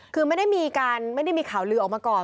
คือไม่ได้มีการไม่ได้มีข่าวลือออกมาก่อน